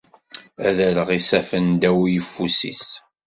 Ad rreɣ isaffen ddaw uyeffus-is.